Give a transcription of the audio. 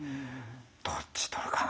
どっち取るかな。